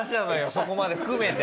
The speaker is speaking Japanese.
そこまで含めて。